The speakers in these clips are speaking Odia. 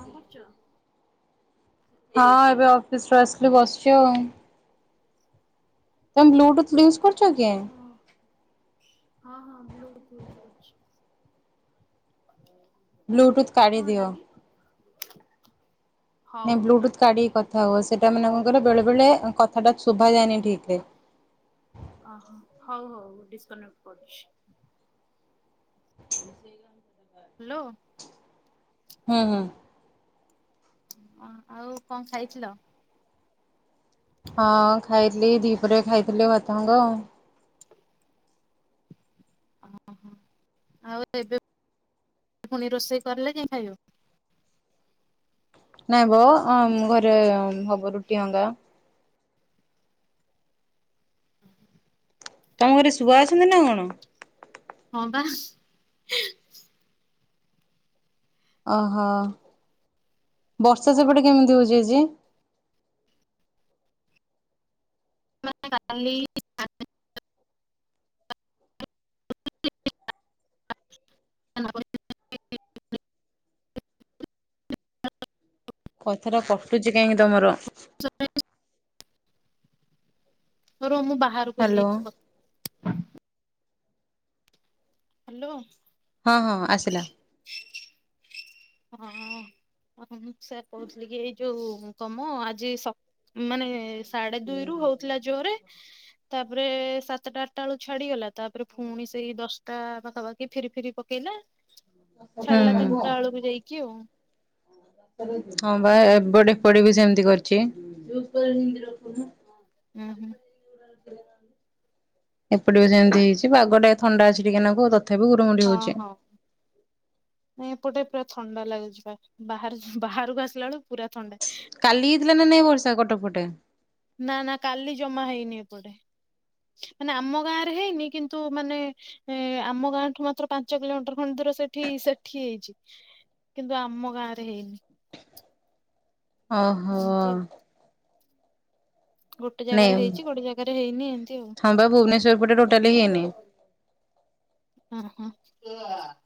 କଣ କରୁଚ? ହଁ ଏବେ ଅଫିସ ରୁ ଆସିଲି ବସ୍ ଚି ଆଉ। ତୁମେ ବ୍ଲୁଟୁଥ ୟୁଜ କରଚ କିଏ? ହଁ ହଁ ବ୍ଲୁତୁଥ୍ କରଚି। ବ୍ଲୁଟୁଥ୍ କାଢ଼ି ଦିଅ। [inaudible] ନାଇଁ ବ୍ଲୁଟୁଥ କାଢିକି କଥା ହୁଅ ସେଇଟା ମାନେ କଣ କହିଲ ବେଳେ ବଳେ ଅଁ କଥାଟା ଶୁ ଅହ ହୋଉ ହୋଉ ଡିସ୍କନେକଟ୍ କରୁଚି। ହାଲୋ? ହୁଁ ହୁଁ। ହଁ ଆଁ ଆଉ କଣ ଖାଇଥିଲ? ହଁ ଖାଇଥିଲି ଦିପହରେ ଖାଇଥିଲି ଭାତ ଗଣ୍ଡେ ଆଉ। [inaudible] ଆଉ ଏବେ ଫୁଣି ରୋଷେଇ କରଲେ ଯାଇ ଖାଇବ। ନାଇଁ ବ ଅଁ ଘରେ ହବ ରୁଟି ଅଙ୍ଗା। ତମ ଘରେ ଶୁଆ ଅଛନ୍ତି ନା କଣ? ହଁ ପା। ଓହୋ ବର୍ଷା ସେପଟେ କେମିତି ହୋଉଚି ଆଜି? [inaudible] କଲି [unintelligible] [inaudible] କଥା ଟା କଟୁଚ଼ି କାହିଁକି ତମର? [unintelligible] ରୁହ ମୁଁ ବାହାରକୁ ହ୍ୟାଲୋ ଯାଇକି କ ହାଲୋ। ହଁ ହଁ ଆସିଲା। ହଁ [unintelligible] ଉଁ ସେୟା କହୁଥିଲି କି ଏ ଯ ଯୋଉ କମ ଆଜି ସ୍ ମାନେ ସାଢେ ଦୁଇ ରୁ ହଉଥିଲା ଜୋରେ। ତାପରେ ସାତଟା ଆଟା ଏଳୁ ଛାଡିଗଲା ତାପରେ ପୁଣି ସେଇ ଦଶଟା ପା ଆ ବାକି ଫିରି ଫିରି ପକେଇଲା ହୁଁ ଛାଲା ତିନିଟା ଏଳକୁ ଯାଇକି ଆଉ। ହଁ ବା ଏବଟେ ଏପଟେ ବି ସେମିତି କର୍‌ଚ଼ି। [inaudible] ଉୁଁ ହୁଁ। ଏପଟେ ବି ସେମିତି ହେଇଚି ପାଗ ଟା ଥଣ୍ଡା ଅଛି ଟିକେ ନାଗୁ ଆଉ ତ ହଁ ହଁ ନାଇଁ ଏପଟେ ପୁରା ଥଣ୍ଡା ଲାଗୁଚ଼ି ପା ବାହ ବାହାରକୁ ଆସିଲା ଏଳୁ କାଲି ହେଇଥିଲା ନା ନାଇଁ ବର୍ଷା କଟକ ପଟେ? ନା ନା କାଲି ଜମା ହେଇନି ଏପଟେ। ମାନେ ଆମ ଗାଁ ରେ ହେଇନି କିନ୍ତୁ ମାନେ ଏଁ ଆମ ଗାଁଠୁ ମାତ୍ର ପାଞ୍ଚ କିଲୋମିଟର ଖନ୍ଦ ପୁରା ସେଠି ସେଠି ହେଇଚ଼ି କିନ୍ତୁ ଆମ ଗାଁ ରେ ହେଇନି। ଅହୋ। ଏମିତି ଆଉ ଗୋଟେ ଜାଗାରେ ହେଇଚ଼ି ଗୋଟେ ଜାଗାରେ ହେଇନି ଏମତି ଆଉ। ହଁ ବା ଭୁବନେଶ୍ୱର ପଟେ ଟୋଟାଲି [inaudible] ଅଁ ହଁ। [inaudible]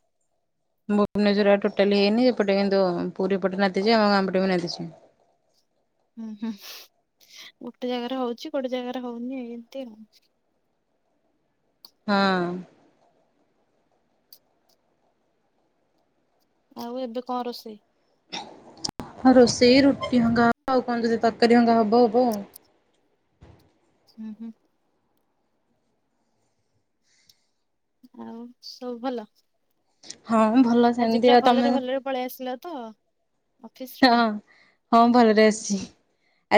ଭୁବନେଶ୍ଵର ଆଡ଼େ ଟୋଟାଲି ହେଇନି ଏପଟେ କିନ୍ତୁ ପୁରୀ ଏପଟେ ନାଦିଚି ଆଉ ଆମ ଗାଁ ପଟେ ବି ନାଦିଚି। [inaudible] ଉୁଁ ହୁଁ ଗୋଟେ ଜାଗାରେ ହଉଚି ଗୋଟେ ଜାଗାରେ ହଉନି ଏମତି ଆଉ। ହଁ। ଆଉ ଏବେ କଁ ରୋଷେଇ? ହ ରୋଷେଇ ରୁଟି ହଙ୍ଗା ଆଉ କଁ ଯଦି ତାକରି ହଙ୍ଗା ହବ ଅବ ଆଉ। ଉୁଁ ହୁଁ। ଆଉ ସବୁ ଭଲ? ହଁ ଭଲ ଆଜି ସେମିତି ପୁରା ଆଉ ତମେ ଭଲରେ ଭଲରେ ପଳେଇ ଆସିଲ ତ? ଅଫିସ ରୁ? ହଁ ହଁ ଭଲରେ ଆସିଚ଼ି।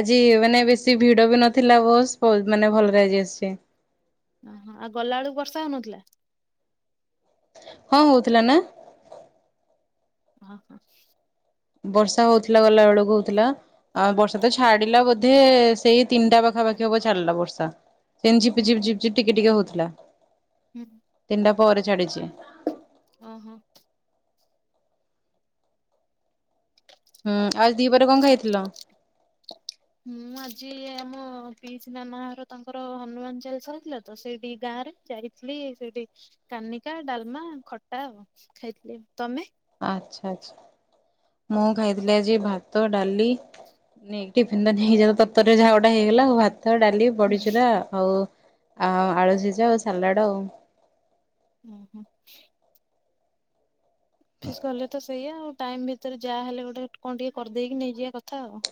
ଆଜି ମାନେ ବେଶୀ ଭିଡ଼ ବି ନଥିଲା ବସ୍ ପ [unintelligible] ମାନେ ଭଲରେ ଆଜି ଆସିଚ଼ି। ଆଁହ ଆଉ ଗଲା ଏଳକୁ ବର୍ଷା ହଉନଥିଲା? ହଁ ହଉଥିଲା ନା। ଅ ହଁ। ବର୍ଷା ହଉଥିଲା ଗଲା ଏଳକୁ ହଉଥିଲା ଆ ବର୍ଷା ତ ଛାଡିଲା ବୋଧେ ସେଇ ତିନିଟା ପାଖାପାଖି ହବ ଛାଡିଲା ବର୍ଷା ସେ ଝିପିଝିପଝିପଝିପ ଟିକେ ଟିକେ ହଉଥୁଲା। ଉୁଁ। ପରେ ଛାଡ଼ିଚ଼ି। ଅ ହଁ। ହୁଁ ଆଜି ଦିପହରେ କଁ ଖାଇଥିଲ? ଯିଏ ଆମ ପିଇସି ନାନା ହର ତାଙ୍କର ହନୁମାନ ଚାଲିଶା ହେଇଥିଲା ତ ସେଇଟି ଗାଁରେ ଯାଇଥିଲି। ଇ ସେଠି କାନିକା, ଡାଲମା, ଖଟା ଆଉ ଖାଇଥିଲି ଆ। ତମେ? ଆଚ୍ଛା ଆଚ୍ଛା ମୁଁ ଖାଇଥିଲି ଆଜି ଭାତ ଡାଲି। ନେଇକି ଟିଫିିନ୍ ତ ନେଇଯା ତରତର ରେ ଯା ଗଟା ହେଇଗଲା ଆଉ ଭାତ୍ ତ, ଡାଲି, ବଡିଚୁରା ଆଉ ଆଳୁ ସିଜା ଆଉ ସାଲାଡ଼ ଆଉ। ଅଁ ହ। ଅଫିସ୍ ଗଲେ ତ ସେଆ ଆଉ ଟାଇମ୍ ଭିତରେ ଯାହେଲେ ଗୋଟେ କଁ ଟିକେ କରିଦେଇକି ନେଇଯିବା କଥା ଆଉ।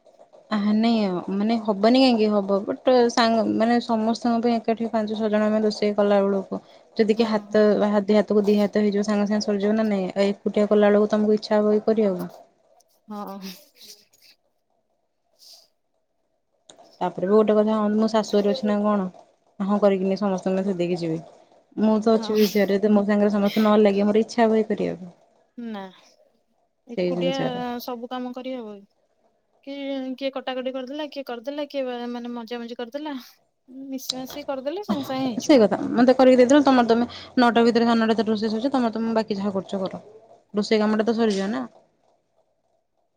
[inaudible] ଆ ନାଇଁ ଆ ମାନେ ହବନି କାହିଁକି ହବ ବଟ୍ ସାଙ୍ଗ ମାନେ ସମସ୍ତଙ୍କ ପାଇଁ ଏକାଠି ପାଞ୍ଚଜଣ ଣ ଆମେ ରୋଷେଇ କଲା ବେଳକୁ ଯଦି କି ହଁ ହାତ ହାତକୁ ଦି ହାତ ହେଇଯିବ ସାଙ୍ଗେ ସାଙ୍ଗେ ସରିଯିବ ନା ନାଇଁ ଏକୁଟିଆ କଲା ବେଳକୁ ତମକୁ ଇଚ୍ଛା ହବ କରି କରିବାକୁ। ହଁ। ତାପରେ ବି ଗୋଟେ କଥା ହ ମୁଁ ଶାଶୁଘରେ ଅଛି ହଁ ନା କଣ ହଁ କରିକି ନେ ସମସ୍ତେଙ୍କୁ ଏକାଥରେ ଦେଇକି ଯିବି। ମୁଁ ତ ଅଛିି ହଁ ବିଷୟରେ ତ ମୋ ସାଙ୍ଗର ସମସ୍ତେ ନ ଲାଗେ ମୋର ଇଚ୍ଛା ହେ କରିବାକୁ, ନା, ସେଇ ଜିନିଷଟା ଏକୁଟିଆ-ଆ-ଆ ସବୁ କାମ କରିହେବ କି? କେ ଜଣେ କିଏ କଟାକଟି କରିଦେଲା, କିଏ କରିଦେଲା, କିଏ ମାନେ ମଜା ମଜି କରିଦେଲା। ମିଶି ମାଶି କରିଦେଲେ ସାଙ୍ଗେ ସାଙ୍ଗେ ସେଇ ହେଇଯିବ। କଥା ମତେ କରିକି ଦେଇଥିଲୁ ତମର ତମେ ନ ଭିତରେ ସାନଟା ରୋଷେଇ ସ ତମ ତମ ବାକି ଯାହା କରୁଛ କର ରୋଷେଇ କାମ ଟା ତ ସରିଯିବ ନା।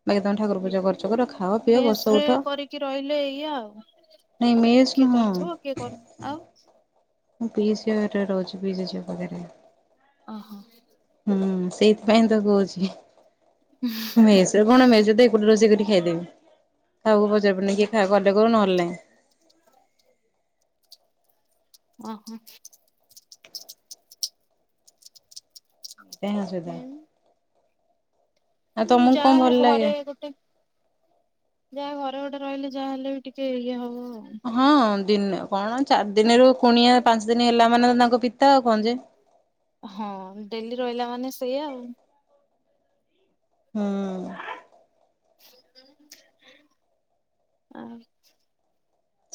ବାକି ତମେ ଠାକୁର ଏଇ ପୂଜା କରୁଛ କର ଖାଅ ପିଅ ମେସ ବସ ରେ ଉଠ। କରିକି ରହିଲେ ଏଇଆ ଆଉ ନଁ ମେଷଣୁ ହ [unintelligible] ଏ କର ଆଉ [unintelligible] ପିସ ରୋଜ ପିସ ଚୋ ପାଗରେ [unintelligible] ଓହୋ ହୁଁ ସେଇଥିପାଇଁ ତ କହୁଛି ମେଷର କଣ ମେଷରେ ତ ଏପଟେ ରୋଷେଇ କରିବି ଖାଇଦେବି ଖାଇବାକୁ ପଚାର ପଡ଼ୁନି କିଏ ଖାଇବା ଭଲରେ କୁହ ନହେଲେ ଖାଇଦେବି। [inaudible] ଓ ହୋ ତାସଧା [unintelligible] ଯାହା ଭଲ ଲାଗେ ଘରେ ଗୋଟେ ଯାହା ଘରେ ଗୋଟେ ରହିଲେ ଯାହା ହେଲେ ବି ଟିକେ ଇଏ ହବ। ଆଉ। ହଁ ଦିନେ କଣ ଚାରି ଦିନରୁ କୁଣିଆ ପାଞ୍ଚ ଦିନ ହେଲା ମାନେ ତ ତାଙ୍କ ପିତା ଆଉ କଣ ଯେ। ହଁ ଡେଲି ରହିଲା ମାନେ ସେଇଆଉ। ହୁଁ। ଆ [inaudible]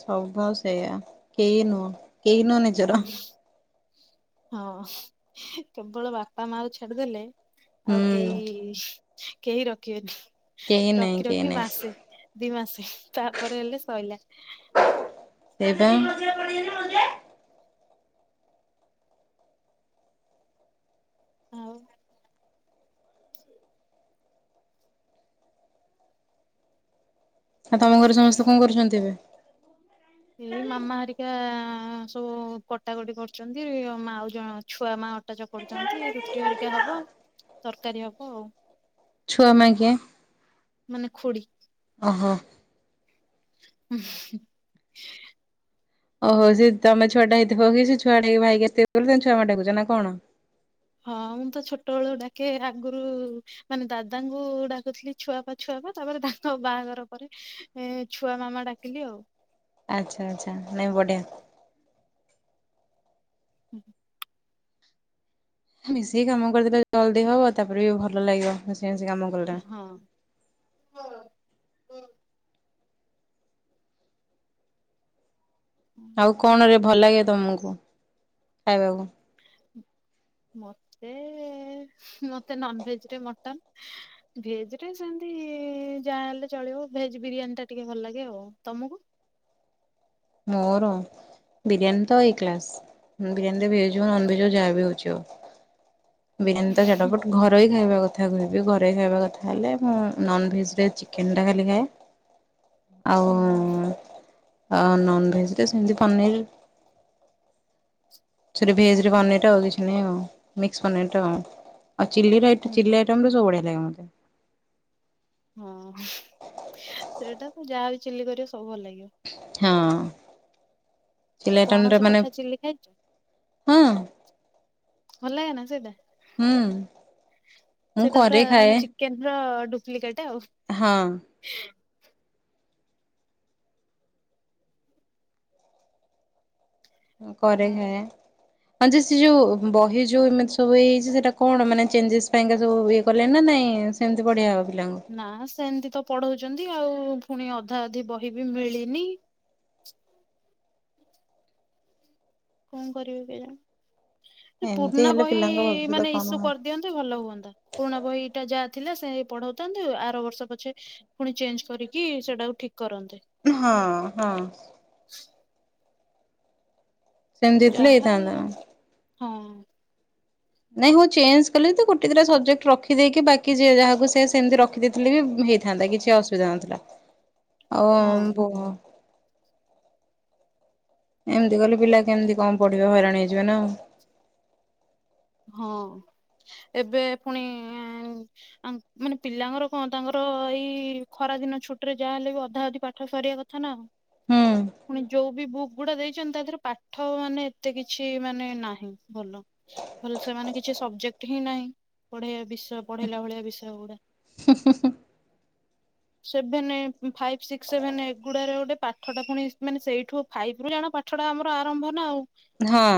ହଉ ସେଇୟା କେହି ନୁହ କେହି ନୁହ ନିଜର। ହଁ କେବଳ ବାପା ମା କୁ ଛାଡିଦେଲେ ଆଉ ହୁଁ କେହି କେହି ରଖିବେନି। କେହି ନାହିଁ ରଖି କେହି ରଖି ନାହିଁ ମାସେ ଦି ମାସେ ତାପରେ ହେଲେ ସଇଲା। ସେଇପାଇ [unintelligible] ଆଉ ଆଉ ତମ ଘରେ ସମସ୍ତେ କଣ କରୁଛନ୍ତି ଏବେ? ଏଇ ମାମା ହରିକା ସବୁ କଟାକଟି କରୁଛନ୍ତି ଆଉ ଜଣ ଛୁଆ ମା ଅଟା ଚକଟୁଛନ୍ତି ରୁଟି ହରିକା ହବ ତରକାରୀ ହବ ଆଉ। ଛୁଆ ମା କିଏ? ମାନେ ଖୁଡ଼ି ଓ ହୋ। ହଁ [inaudible] ଓହୋ ସେ ତମେ ଛୁଆ ଟା ହେଇଥିବ କି ସେ ଛୁଆଟାକ ଭାଇକି ଆସିଥିବେ ସେଥିପାଇଁ ଛୁଆ ମା ଡାକୁୁଛ ନା କଣ। ହଁ ମୁଁ ତ ଛୋଟବେଳୁ ଡାକେ ଆଗରୁ ମାନେ ଦାଦାଙ୍କୁ ଡାକୁଥିଲି ଛୁଆ ବା ଛୁଆ ବା ତାପରେ ଦାନ୍ତ ବାହାଘର ପରେ ଛୁଆ ମାମା ଡାକିଲି ଆଉ। ଆଚ୍ଛା ଆଚ୍ଛା ନାଇ ଵଡ଼ିଆ। ହୁଁ [inaudible] ମିଶିକି କାମ କରିଦେଲେ ଜଲଦି ହବ ତାପରେ ବି ଭଲ ଲାଗିବ ସେ ସେ କାମ କରରେ [unintelligible] କୁଁ [inaudible] ଆଉ କଣ ରେ ଭଲ ଲାଗେ ତମକୁ ଖାଇବାକୁ। ମତେ। ମତେ ନନ୍ ଭେଜ୍ ରେ ମଟନ୍ ଭେଜ୍ ରେ ସେମତି ଯାହା ହେଲେ ଚଳିବ। ଭେଜ୍ ବିରିୟାନି ଟା ଟିକେ ଭଲ ଲାଗେ ଆଉ ତମୁକୁ? [unintelligible] ମୋର ବିରିୟାନୀ ତ ଏ କ୍ଲାସ୍ ମୁଁ ବିରୀୟାନି। ମତେ ଭେଜ୍ ହଉ ନନ୍ ଭେଜ୍ ହଉ ଯାହା ବି ହଉଚି ହଉ। ବିରିୟାନୀ ତ ଚଟା ପଟ୍ ଘରଇ ଖାଇବା ହଉ। କଥା କହିବି ଘରେଇ ଖାଇବା କଥା ହେଲେ ମୁଁ ନନ୍ ଭେଜ୍ ରେ ଚିକେନ୍ ଟା ଖାଲି ଖାଏ। ହୁଁ ଆଉ। ନନ୍ ଭେଜ୍ ରେ ସେମିତି ପନିର। ସେଠୁ ଭେଜ୍ ରେ ହୁଁ। ପନିର ଟା ଆଉ କିଛି ନାହିଁ ଆଉ ମିକ୍ସ ପନିର ଟା ଆଉ। ଆଉ ଚିଲି ର ଆଇଟ୍ ହୁଁ ଚିଲି ଆଇଟମ୍ ରୁ ସବୁ ବଢ଼ିଆ ଲାଗେ ମତେ। ହଁ ସେଇଟା ତ ଯାହା ବି ଚିଲି କରିବ ସବୁ ଭଲ୍ ଲାଗିବ। ହଁ। ଚିଲି ଆଇଟମ୍ ଟା ପଣସ ମାନେ କଠା ଚିଲି ଖାଇଛ? ହଁ। ଭଲ ଲାଗେ ନା ସେଇଟା? ହୁଁ। ମୁଁ ସେଟା ପୁରା କରେ ଖାଏ ମାନେ ଚିକେନ୍ ର ଡୁପ୍ଲିକେଟ୍ ଆଉ। ହଁ ମୁ କରେ ଖାଇଆ। ହଁ ଯେ ସେ ଯୋଉ ବହି ଯୋଉ ଏମିତିି ସବୁ ହେଇଯାଇଚି ସେଟା କଣ ମାନେ ଚେଞ୍ଜେସ୍ ପାଇଁ କା ସବୁ ଇଏ କଲେଣି ନା ନାଇଁ? ଏଁ ସେମିତି ବଢ଼ିଆ ହବ ବି। ନା ସେମତି ତ ପଢ଼ଉ ଚନ୍ତି ଆଉ ଫୁଣି ଅଧା ଅଧି ବହି ବି ମିଳିନି। କଣ କରିବେ କେଜାଣି? ଏଇ ଏମିତି ପୁରୁଣା ହେଲେ ବହି ପିଲାଙ୍କ ଭବିଷ୍ୟତ ମାନେ କଣ ଇସୁ ହବ କରିଦିଅନ୍ତେ ଭଲ ହୁଅନ୍ତା ପୁରୁଣା ବହି ଟା ଯା। ଥିଲା ସେଇଆ ପଢଉଥାନ୍ତୁ ଆର ବର୍ଷ ପଛେ ଫୁଣି ଚେଞ୍ଜ କରିକି ସେଟାକୁ ଠିକ। କରନ୍ତେ ହଁ ହଁ। ସେମିତି ହେଇଥିଲେ ଯାହା ହେଇଥାନ୍ତା। ହଁ। ନାଇଁ ମୁଁ ଚେଞ୍ଜ କଲି ତ ଗୋଟେ ଦି ଟା ସବଜେକ୍ଟ ରଖିଦେଇକି ବାକି ଯିଏ ଯାହାକୁ ସେ ସେମିତି ରଖି ଦେଇଥିଲେ ବି। ହେଇଥାନ୍ତା କିଛି ଅସୁବିଧା ନଥିଲା ଆଉ ହଁ ଆ ଏମିତି କଲେ ପିଲା କେମିତି କଣ ପଢିବେ ହଇରାଣ ହେଇଯିବ ନା ଆଉ। ହଁ। ଏବେ ଫୁଣି ଏଁ ଆମ୍ ମାନେ ପିଲାଙ୍କର କଣ ତାଙ୍କର ଏଇ ଖରା ଖରା ଦିନ ଛୁଟିରେ ଯାହା ହେଲେ ବି ଅଧା ଅଧି ପାଠ ସାରିବା କଥା ନା ଆଉ। ହୁଁ ଫୁଣି ଯୋଉ ବି ବୁକ୍ ଗୁଡ଼ା ଦେଇଚନ୍ତି ତା ଧିଅରୁ ପାଠ ମାନେ। ଏତେ କିଛି ମାନେ ନାହିଁ ଭଲ। ଭଲ ସେ ମାନେ କିଛି ସବଜେକ୍ଟ ହିଁ ନାହିଁ ପଢ଼େଇବା ବିଷୟ ପଢ଼େଇଲା ଭଳିଆ ବିଷୟ ଗୁଡା। ହୁଁ ହୁଁ ହୁଁ। ସେଭେନେ ଫାଇପ୍ ସିକ୍ସ ସେଭେନେ ଏଗୁଡା ରେ ଗୋଟେ ପାଠ ଟା ଫୁଣି ମାନେ ସେଇଠୁ ଫାଇପ୍ ରୁ ଜାଣ। ପାଠ ଟା ଆମର ଆରମ୍ଭ ନା ଆଉ। ହଁ।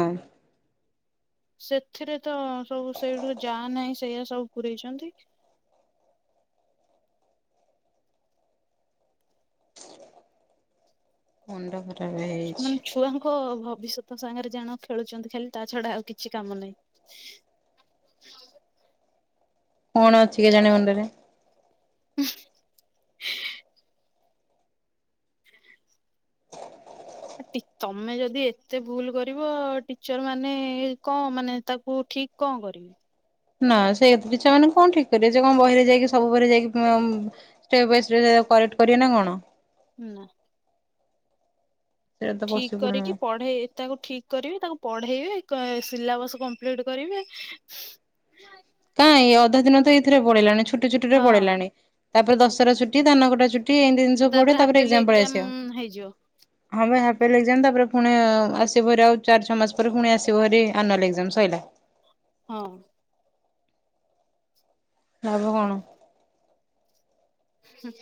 ସେଥିରେ ତ ସବୁ ସେଇଠୁ ଯା ନାହିଁ ସେଇଆ ସବୁ ପୁରଇଚନ୍ତି। [unintelligible] ମୁଣ୍ଡ ଖରାପ ହେଇଛି ମାନେ ଛୁଆଙ୍କ ଭ ଭବିଷ୍ୟତ ସାଙ୍ଗରେ ଜାଣ ଖେଲୁଚନ୍ତି ଖାଲି ତା ଛଡା ଆଉ କିଛି କାମ ନାହିଁ। [inaudible] କଣ ଅଛି କେଜାଣି ମୁଣ୍ଡରେ? [unintelligible] ଆ ଟିଚ୍ ତମେ ଯଦି ଏତେ ଭୁଲ୍ କରିବ ଟିଚର ମାନେ ଏ କଣ ମାନେ ତାକୁ ଠିକ୍ କଣ କରିବି? ନା ସେ ଟିଚର୍ ମାନେ କଣ ଠିକ୍ କରିବେ ସେ କଣ ବହିରେ ଯାଇକି ସବୁ ଘରେ ଯାଇକି [unintelligible] ତାକୁ କରେକ୍ଟ କରିବେ ନା କଣ? ନାଁ। ସେଇଟା ତ ଠିକ୍ ପସିବୁଲ କରିକି ନୁହଁ। ପଢେଇ ତାଙ୍କୁ ଠିକ କରିବି ତାଙ୍କୁ ପ ଢେଇବେ କଁ ଏ ସିଲାବସ କମ୍ପ୍ଲିଟ କରିବେ। କାଁଇ ଏ ଅଧା ଦିନ ତ ଏଇଥିରେ ପଳେଇଲାଣି ଛୁଟି ଛୁଟି ରେ ହଁ ପଳେଇଲାଣି ତାପରେ ଦଶହରା ଛୁଟି ଧାନକଟା ଛୁଟ୍ ଫ୍ରି ଏନଡ୍ ରେ ଜିନଷ ପଡେ ହାପି ତାପରେ ଅଲି ଏକଜାମ୍ ପଳେଇ ଏକ୍ଜାମ ହେଇଯିବ ଆସିବ ଫେଲ ଏକଜାମ ତା ପରେ ଫୁଣି ଆ ଆସିପାରେ ଆଉ ଚାରି ଛଅ ମାସ ପରେ ପୁଣି ଆସିବ ହାରି ଆନୁଆଲ ଏକଜାମ୍ ସଇଲା। ହଁ। ଲାଭ କଣ? ହୁଁ।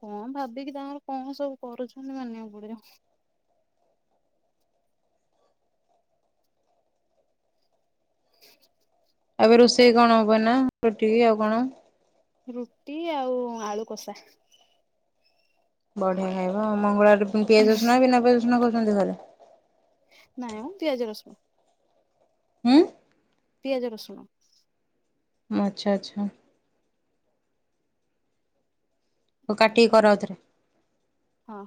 କଣ ଭାବିକି ତାଙ୍କର କଣ ସବୁ କରୁଛନ୍ତି ମାନିବାକୁ ପଡିବ। ଏବେ ରୁଷେଇ କଣ ହବ ଏନା ରୁଟି ଆଉ କଣ? ରୁଟି ଆଉ ଆଳୁ କଷା। ବଢିଆ ଖାଇବା ଆଉ ମଙ୍ଗଳବାର ପୁଣି ପିଆଜ ରସୁଣ ନା ବିନାଁ ପିଆଜ ରସୁଣ କରଛନ୍ତି ଘରେ? ନାଇଁ ମ ପିଆଜ ରସୁଣ। ହୁଁ। ପିଆଜ ରସୁଣ। ମ ଆଚ୍ଛା ଆଚ୍ଛା। ହଉ କାଟିିକି କର ଆଉଥରେ। ହଁ ହଁ।